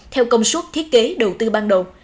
theo công suất thiết kế đầu tư ban đầu